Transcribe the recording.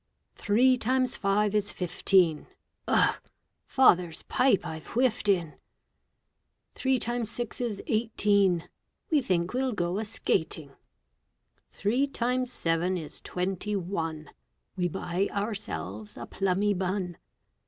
Three times five is fifteen, Ugh! Father's pipe I've whiffed in. Three times six is eighteen, We think we'll go a skating. Three times seven is twenty one, We buy ourselves a plummy bun.